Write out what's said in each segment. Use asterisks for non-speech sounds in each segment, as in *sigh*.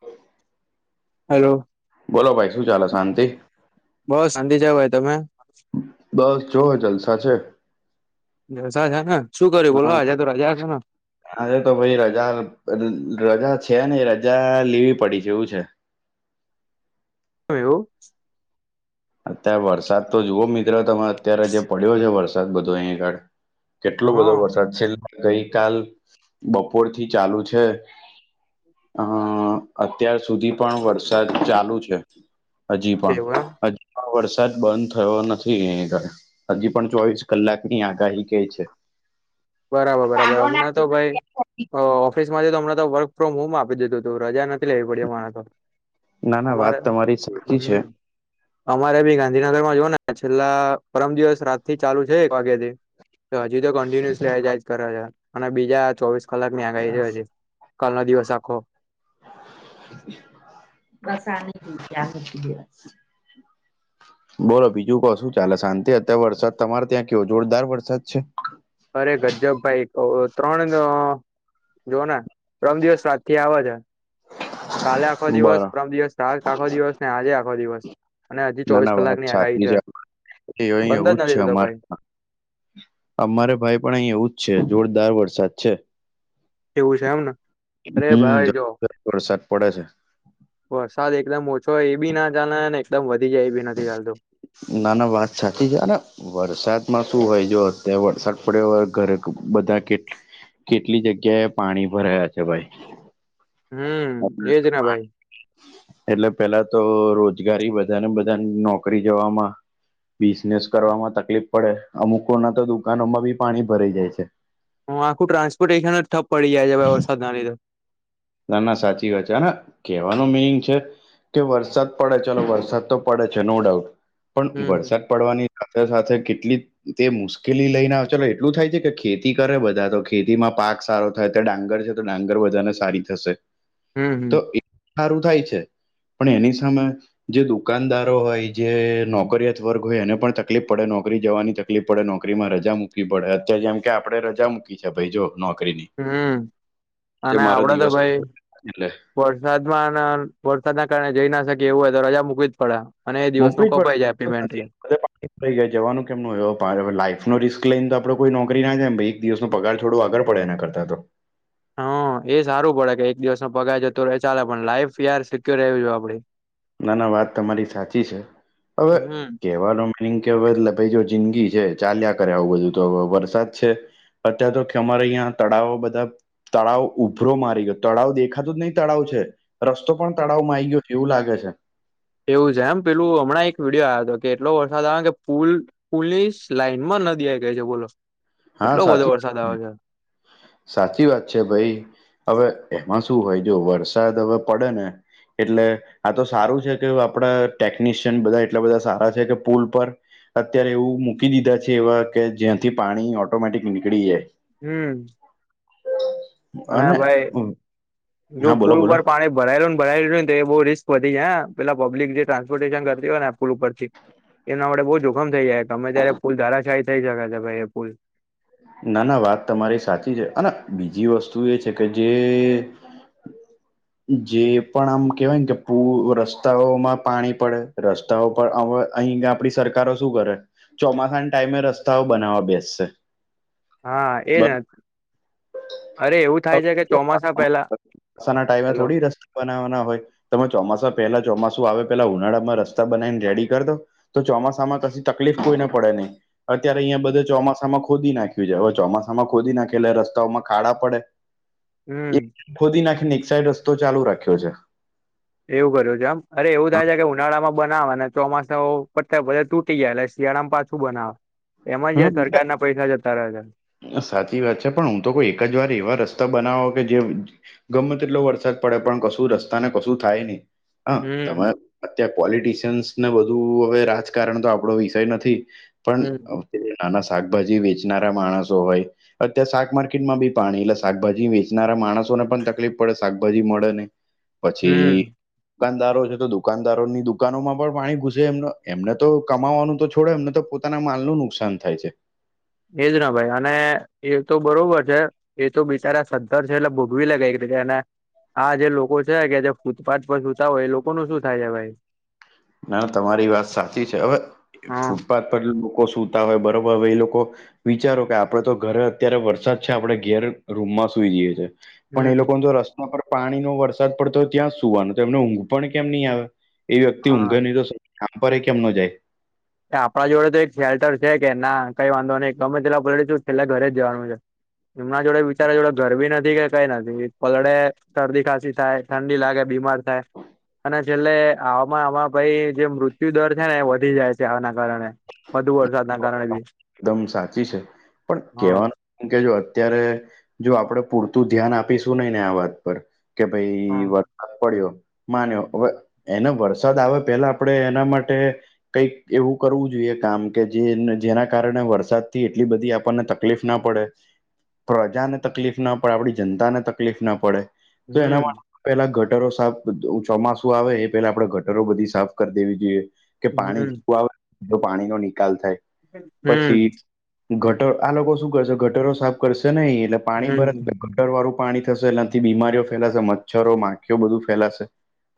હા. હલો. બોલો ભાઈ શું ચાલે શાંતિ બઉ શાંતિ છે ભાઈ. તમે? બસ જો જલસા છે. જલસા છે ને શું કર્યું બોલો હા આજે તો રાજા છેને. આજે તો ભાઈ રજા રજા છે નઈ રજા લેવી પડી છે એવું છે. *unintelligible* એવું અત્યારે વરસાદ તો જુઓ મિત્ર તમાર અત્યારે જે પડ્યો છે વરસાદ બધો અહીં આગળ. કેટલો બધો હા વરસાદ છે *inaudible* ગઈકાલ બપોરથી ચાલુ છે હ અત્યાર સુધી પણ વરસાદ ચાલુ છે. હજી પણ એવું એમ હજી પણ વરસાદ બંધ થયો નથી અહીં આગળ. હજી પણ ચોવીસ કલાકની આગાહી કે છે. બરાબર બરાબર હમના તો ભાઈ અ ઓફિસથી તો હમણાં તો વર્ક ફ્રોમ હોમ આપી દીધું તું રજા નથી લેવી પડી અમારે તો ના ના અમારે વાત તમારી સાચી છે. હમ અમારે ભી ગાંધીનગરમાં જોઓને છેલ્લા પરમ દિવસ રાતથી ચાલુ છે એક વાગ્યાથી હજી તો કન્ટિન્યુઅસલીજ *unintelligible* કરે છે અને બીજા ચોવીસ કલાકની આગાહી છે હજી કાલનો દિવસ આખો *inaudible* બસ આની *inaudible* *unintelligible* બોલો બીજું કો શું ચાલે શાંતિ? અત્યારે વરસાદ તમારે ત્યાં કેવો જોરદાર વરસાદ છે. અરે ગજ્જબ ભાઈ *unintelligible* ત્રણ જોઓને પરમદિવસ રાતથી આવે છ. કાલે આખો દિવસ, બરો પરમ દિવસ રાત આખો દિવસ ને આજે આખો દિવસ. અને હજી ના ચોવીસ ના વાત કલાકની આગાહી સાચી છે છે *inaudible* અહી બંધ એવું જ છે નથી થતો અમારે ભાઈ અમારે ભાઈ પણ અહીં એવું જ છે જોરદાર વરસાદ છે. એવું છે એમને અરે હમ્મ ભાઈ જો *inaudible* વરસાદ પડે છે. વરસાદ એકદમ ઓછો એ બી ના ચાલે ને એકદમ વધી જાય એ બી નથી ચાલતું. ના ના વાત સાચી છે અને વરસાદમાં શું હોય જોઓ અત્યારે વરસાદ પડ્યો ઘરે બધા કેટ- કેટલી જગ્યાએ પાણી ભરાયા છે ભાઈ. હમ્મ એજ ને ભાઈ. એટલે પેહલા તો રોજગારી બધાને બધાન નોકરી જવામાં બિઝનેસ કરવામાં તકલીફ પડે અમુકોના તો દુકાનોમાં બી પાણી ભરાઈ જાય છે. હ આખું ટ્રાન્સપર્ટેશન જ ઠપ પડી જાય છે ભાઈ વરસાદના લીધે. ના ના સાચી વાત છે અને કેવાનું મિનિંગ છે કે વરસાદ પડે ચલો વરસાદ તો પડે છે નો ડાઉટ પણ હમ હમ વરસાદ પડવાની સાથે સાથે કેટલી તે મુશ્કેલી લઈને આવ ચલો એટલું થાય છે કે ખેતી કરે બધા તો ખેતીમાં પાક સારો થાય ત્યાં ડાંગર છે તો ડાંગર બધાને સારી થશે તો હમ *inaudible* સારું થાય છે પણ એની સામે જે દુકાનદારો હોય જે નોકરીયાત વર્ગ હોય એને પણ તકલીફ પડે નોકરી જવાની ત કલીફ પડે નોકરીમાં રજા મૂકવી પડે અત્યારે જેમ કે આપડે રજા મૂકી છે ભાઈ જો નોકરીની. હમ્મ કે અને મારો આપડે તો દિવસ ભાઈ એટલે વરસાદમાં અન વરસાદના કારણે જઈ ના શકીએ એવું હોય તો રજા મૂકવી જ પડ. અને એ મૂકવી દિવસનું જ કપાઈ પડે જાય નથી *unintelligible* *unintelligible* જવાનું કેમ નો હોય? હવે ભારે હવે લાઈફ નો રિસ્ક લઈન તો આપણે કોઈ નોકરી ના જાય. પહી દિવસનો પગાર થોડું આગળ પડે એના કરતા તો. હા. એ જ હારું પડે, કે એક દિવસ નો પગાર જતો રહે ચાલે. પણ લાઈફ યાર સિક્યોર રહેવી જોઈએ આપણી. *inaudible* ના-ના વાત તમારી સાચી છે. હવે હમ કેવ *unintelligible* હવે *unintelligible* જો જિંદગી છે, ચાલ્યા કરે આવું બધું તો. હવે વરસાદ છે અત્યાર તો ખ અમારે અહિયાં તળાવો બધા તળાવ ઉભરો મારી ગયો. તળાવ દેખાતું જ નહીં, તળાવ છે. રસ્તો પણ તળાવમાં આઈ ગયો, એવું લાગે છે. એવું છે એમ. પહેલું હમણાં એક વિડિયો આયો તો, કે એટલો વરસાદ આવે, કે પુલ પુલીસ લાઈનમાં નદી આઈ ગઈ છે બોલો. હા એટલો બધો સાચી વાત વરસાદ છે. આવે સાચી વાત છે ભઈ. હવે એમાં શું હોય, જો વરસાદ હવે પડે ને એટલે આ તો સારું છે, કે હવે આપણાં ટેકનિશિયન બધા એટલા બધા સારા છે, કે પુલ પર એવું મૂકી દીધા છે એવા, કે જ્યાંથી પાણી ઓટોમેટિક નીકળી જાય. હમ્મ. અને આ ભાઈ, જો હા બોલો પુલ બોલો પર પાણી ભરાયેલુંન ભરાયેલું રહે તે બહુ રિસ્ક વધી જાય હા. પહેલા પબ્લિક જે ટ્રાન્સપર્ટેશન કરતી હોયને એ પુલ ઉપરથી એના વડે બહુ જોખમ થઇ જાય. ગમે ત્યારે પુલ ધારાશાયી થઈ શકે છે ભાઈ એ પુલ. ના-ના વાત તમારી સાચી છે. અને બીજી વસ્તુ એ છે, કે જે *inaudible* જે પણ આમ કહેવાયન કે પૂ રસ્તાઓમાં પાણી પડે. રસ સ્તાઓ પણ આપણે, અહિં આપણી સરકારો શું કરે? ચોમાસાન ટાઈમે રસ્તાઓ બનાવવા બેસશે. હા એ જ *unintelligible* અરે એવું થાય હવે છે, કે ચોમાસા ચોમાસામાં પહેલા, ચોમાસાના ટાઈમે હલો. થોડી રસ્તા બનાવવાના હોય. તમે ચોમાસા પહેલા, ચોમાસું આવે પહેલા ઉનાળામાં બનાઈ ને રેડી કર દો. તો ચોમાસામાં કશી તકલીફ કોઈને પડે નહીં. અત્યારે અહીંયા બધું ચોમાસામાં ખોદી નાખ્યું છે. હવે ચોમાસામાં ખોદી નાખે એટલે રસ્તાઓમાં ખાડા પડે. હમ્મ. એક ખોદી નાખીને એક સાઈડ રસ્તો ચાલુ રાખ્યો છે. એવું કર્યું છે એમ? અરે એવું થાય છે, કે ઉનાળામાં બનાવે, અને ચોમાસાઓ પતે ભરે તૂટી જાય. એટલે શિયાળામ પાછું બનાવે. એમાં જ એ હમ સરકાર ના પૈસા જતા રહે છે. સાચી વાત છે. પણ હું તો કહું, કે એક જ વાર એવા રસ્તા બનાવો, કે જે ગમે તેટલો વરસાદ પડે, પણ કશું રસ્તા ને કશું થાય નહીં. હા. હમ તમે અત્યારે પોલિટશિયન્સ ને બધું હવે રાજકારણ તો આપણો વિષય નથી. પન હમ કે જે નાના શાકભાજી વેચનારા માણસો હોય અત્યારે શાક માર્કેટમાં બી પાણી. એટલે શાકભાજી વેચનારા માણસોને પણ તકલીફ પડે. શાકભાજી મળે નહીં. હમ પછી દુકાનદારો, જે તો દુકાનદારો ની દુકાનોમાં પણ પાણી ઘુસે એમના. એમને તો કમાવાનું તો છોડે, એમને તો ખુદ પોતાના માલ નું નુકસાન થાય છે. એ જ ના ભાઈ. અને એ તો બરોબર છે. એ તો બિચારા સદ્ધર છે એટલે ભોગવી *unintelligible* એને. આ જે લોકો છે, કે ફૂટપાથ પર *unintelligible* કરતાં હોય એ લોકો નું શું થાય હે ભાઈ? ના તમારી વાત સાચી છે હવે હા ફૂટપાથ પર લોકો સુૂતા હોય બરોબર હવે એ લોકો, વિચારો કે આપડે તો ઘરે અત્યારે વરસાદ છે આપડણે ઘેર રૂમમાં સુઈ જઈએ છે. પણ એ હમ લોકો જો રસ્તા પર પાણી નો વરસાદ પડતો હોય ત્યાં સુવાનો તો એમને ઊંઘ પણ કેમ ની આવે એ વ્યક્તિ ઊઘે હા નહ તો કામ પરે કેમ નો જાય, આપણા જોડે તો એક શેલ્ટર છે કે ના કઈ વાંધો નહીં ગમે છેલ્લા પલડીશું તો છેલ્લા ઘરે જવાનું છે. એમના જોડે બિચાર જોડે ઘરભી નથી કે કઈ નથી પલળે શરદી ખાંસી થાય, ઠંડી લાગે બીમાર થાય, અને છેલ્લે આવામાં આમાં ભાઈ જે મૃત્યુદર છે ને એ વધી જાય છે. જવા ના કારણે વધુ વરસાદ ના કારણે બી એકદમ સાચી છે પણ હા કેવાનું, કે જો અત્યારે જો આપડે પૂરતું ધ્યાન આપીશું નહી ને આ વાત પર, કે ભાઈ *inaudible* *inaudible* પડ્યો માન્યો હવે એને વરસાદ આવે પેલા આપણેે એના માટે, કઈક એવું કરવું જોઈએ કામ કે જે જેના કારણે વરસાદ થી એટલી બધી આપણને તકલીફ ના પડે પ્રજાને તકલીફ ના પડે આપડી જનતા ને તકલીફ ના પડે તો એના હમ માટે, પેલાગટરો સાફ ચોમાસું આવે એ પેલા આપણેે ગટરો બધી સાફ કરી દેવી જોઈએ, કે પાણી હમ જેવું આવે તો પાણી નો નિકાલ થાય, પછી હમ ગટરો આ શું ગટરો સાફ કરશે નને એટલે પાણી ભરા હમ ગટર વાળું પાણી થશે એનાથી બીમારીઓ ફેલાશે મચ્છરો માખીઓ બધું ફેલાશે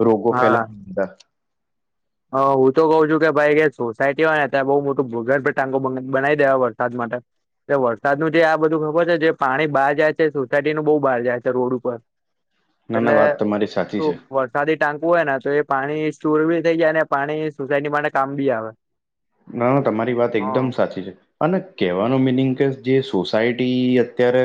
રોગો હા ફેલા હ હું તો કઉ છું કે ભાઈ સોસાયટી હોય ને ત્યાં બઉુ મોટું ભૂગર્ભ ટાંકો બનાવી દેવા વરસાદ માટે, એ વરસાદનું જે આ બધું ખબર છે જે પાણી બહાર જાય છે સોસાયટી નું બહુ બહાર જાય છે રોડ ઉપર ના ના એટલે વાત તમારી સાચી શુ છે વરસાદી ટાંકુ હોય ને તો એ પાણી સ્ટોર બી થઈ જાય ને પાણી સોસાયટી માટે કામ બી આવે, ના ના તમારી વાત એકદમ હા. સાચી છે. અને કહેવાનું મિનિંગ કે જે સોસાયટી અત્યારે,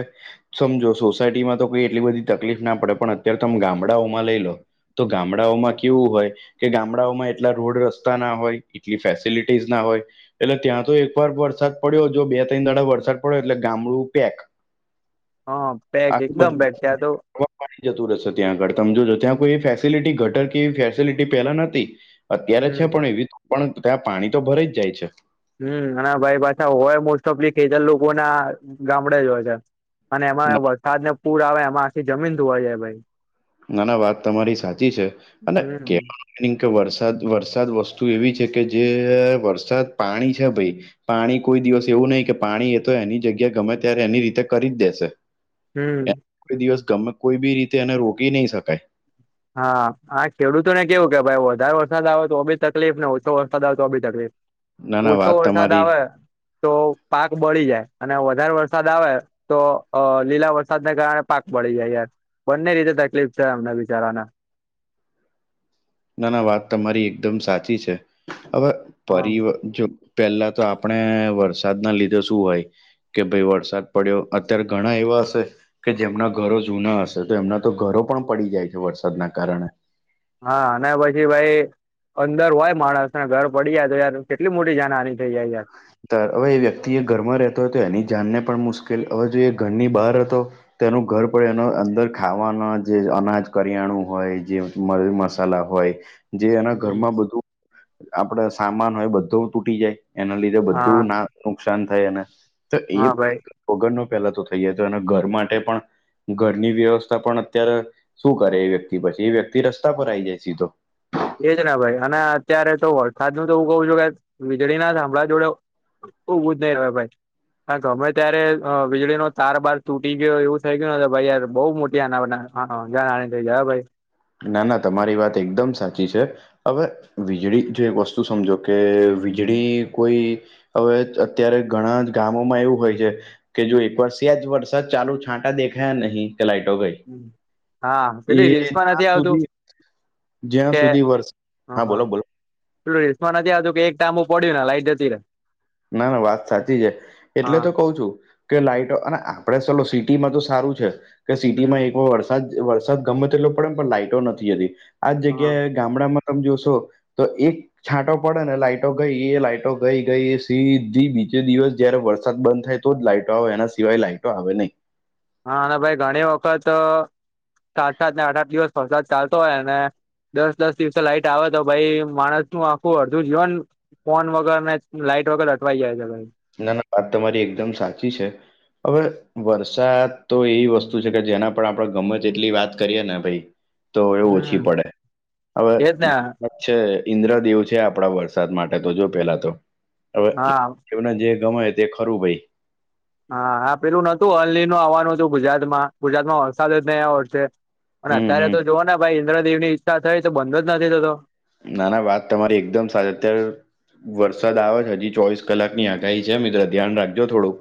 સમજો સોસાયટીમાં તો કોઈ એટલી બધી તકલીફ ના પડે પણ અત્યારે તમે ગામડાઓમાં લઈ લો તો ગામડાઓમાં કેવું હોય કે ગામડાઓમાં એટલા રોડ રસ્તા ના હોય એટલી ફેસિલટી ફેસિલિટસ ના હોય એટલે ત્યાં તો વાર વરસાદ પડ્યો બે ત્રણ દાડા વરસાદ પડ્યો એટલે ગામડું પેક હા પેક આખું એકદમ બધું પેક ત્યાં તો *inaudible* પાણી જતું રહેશે ત્યાં આગળ તમજો જો ત્યાં કોઈ એ ફેસિલિટી ગટર કે ફેસિલિટી પેલા નતી, અત્યારે છે હમ પણ એવી પણ ત્યાં પાણી તો ભરાઈ જ જાય છે, હમ અને ભાઈ હોય મોસ્ટ ઓફ *inaudible* લોકો ના ગામડે જ હોય છે. અને એમાં વરસાદ ને પૂર આવે એમાં આખી જમીન ધોવાઈ જાય ભાઈ, નાના વાત તમારી સાચી છે અને હમ કેવા, એ કે વરસાદ વરસાદ વસ્તુ એવી છે કે જે વરસાદ પાણી છે ભાઈ, પાણી કોઈ દિવસ એવું નહી કે પાણી એ તો એની જગ્યા ગમે ત્યારે એની રીતે કરી જ દેશે, એ હમ કોઈ દિવસ ગમે કોઈ બી રીતે એને રોકી નહી શકાય, હા હ ખેડૂતો ને કેવું કે ભાઈ વધારે વરસાદ આવે તો બી તકલીફ ને ઓછો વરસાદ આવે તો બી તકલીફ, ના ના ઓછો વાત વરસાદ તમારી આવે તો પાક બળી જાય અને વધારે વરસાદ આવે તો અ લીલા વરસાદને કારણે પાક પડી જાય યાર બંને રીતે તકલીફ થાય એમનેં બી, જરાના ના ના વાત તમારી એકદમ સાચી છે. હવે હા પરિ જો પેલા તો આપણે વરસાદ ના લીધે શું હોય કે ભાઈ વરસાદ પડ્યો. અત્યારે ઘણા એવા હશે કે જેમના ઘરો જૂના હશે. તો એમના તો ઘરો પણ પડી જાય છે વરસાદના કારણે. હા અને પછી ભાઈ અંદર હોય માણસ ને ઘર પડી જાય તો યાર કેટલી મોટી જાનહાની થઇ જાય યાર તાર હવે એ વ્યક્તિ એ ઘરમાં રહેતો હતો તો એની જાનને પણ મુશ્કેલ. હવે જો એ ઘરની બહાર હતો તો એનું ઘર પડે, એનો અંદર ખાવાના જે અનાજ કરિયાણું હોય જે, મરી મસાલા હોય, જે એના ઘરમાં બધું આપડે સામાન હોય, બધું તૂટી જાય એના લીધે, જે હા બધુંના નુકસાન થાય એને. તો એ, હા ભાઈ ઓગડનો પેલા તો થઈ જાય. તો એના ઘર માટે પણ, ઘરની વ્યવસ્થા પણ અત્યારે શું કરે એ વ્યક્તિ. પછી એ વ્યક્તિ રસ્તા પર આવી જાય સીધો. એજ ને ભાઈ. અને અત્યારે તો વરસાદ નું તો હું કવું છું, કે વીજળીના થાંભલા જોડે, ઉવું નહીં અવે ભાઈ, હા ગમે ત્યારે, અ વીજળીનો તાર બાર તૂટી ગયો થઇ ગયું ભાઈ યાર મોટી આના બના. જાનહાની થઈ જાય હો ભાઈ, ના ના તમારી વાત એકદમ સાચી છે. હવે વીજળી, જો એક વસ્તુ સમજો કે વીજળી કોઈ, હવે અત્યારે જ ઘણા ગામોમાં એવું હોય છે, કે જો એક વાર સ્હેજ વરસાદ ચાલુ છાંટા દેખાયા નહીં, કે લાઇટો ગઈ, હા એ પેલી રિલ્સમા જ્યાં નથી આવતું, સુધી જ્યાં કે સુધી વરસાદ હ, હા. બોલો બોલો પેલું રીલ્સમાં નથી આવતું, કે એક ટામબુ પડ્યું ના લાઈટ જતી રહી. નાના વાત સાચી છે, એટલે હા તો કઉ છું. કે લાઈટો. અને આપડે ચલો સિટીમાં તો સારું છે, કે સિટીમાં હમ એક વા વર્ષ, સાદ વરસાદ ગમે તેટલો પડે ન, પણ લાઈટો નથી જતી. આ જ હા જગ્યાએ, ગામડામાં તમે જોશો, તો એક છાંટો પડે ને લાઈટો ગઈ લાઈટો ગઈ ગઈ હશે. સીધ્ધી બીજે દિવસ જયારે વરસાદ બંધ થાય તો જ લાઈટો આવે એના સિવાય લાઈટો આવે નહીં. હા અને ભાઈ ઘણી વખત સાત- સાત ને આઠ આઠ દિવસ વરસાદ ચાલતો હોયને, દસ- દસ દિવસે લાઈટ આવેતો ભાઈ માણસનું આખું અડધું જીવન, ફોન વગર ને લાઈટ વગર અટવાઈ જાય છે, ભાઈ ના ના વાત તમારી એકદમ સાચી છે. હવે વરસાદ તો એવી વસ્તુ છે, કે જેના પણ આપણે ગમે તેટલી વાત કરીએેને ભાઈ, તો એ ઓછી હમ પડે. હવે, એજ ને છે, ઈન્દ્રદેવ છે, આપડા વરસાદ માટે તો જો પેલા તો હવે. હા એમને જે ગમે તે ખરું ભાઈ, હા, હા પેલું નતું ઓલ નીનો આવવાનું હતું ગુજરાત માં. ગુજરાત માં વરસાદ જ નઈ આયવો વચ્ચે. અને હમ અત્યારે હમ તોજો ને ભાઈ ઇન્દ્રદેવની ઈચ્છા થઈ, તો બંધ જ નથી થતો, નાના વાત તમારી એકદમ સારી અત્યારે, વરસાદ આવે છે, હજી ચોવીસ કલાકની આગાહી છે, મિત્ર, ધ્યાન રાખજો થોડુંક.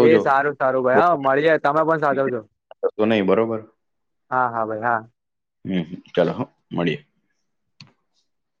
એ સારું સારું ભાઈ. હા મળીએ. તમે પણ સાચવજો. બહુ નહી બરોબર હા, હા ભાઈ હા. હું હં, ચાલો, હું મળીએ.